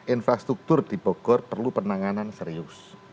infrastruktur di bogor perlu penanganan serius